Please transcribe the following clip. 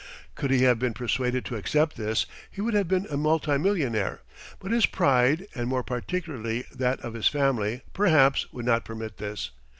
Could he have been persuaded to accept this, he would have been a multimillionaire; but his pride, and more particularly that of his family, perhaps, would not permit this.